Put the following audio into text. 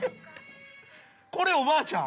これ、おばあちゃん？